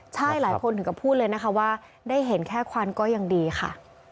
ใช่หลายคนถึงกับพูดเลยนะคะว่าได้เห็นแค่ควันก็ยังดีค่ะ